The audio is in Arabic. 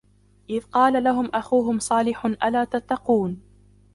إِذْ قَالَ لَهُمْ أَخُوهُمْ صَالِحٌ أَلَا تَتَّقُونَ